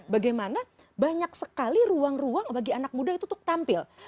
bagaimana banyak sekali ruang ruang bagi anak muda itu untuk tampil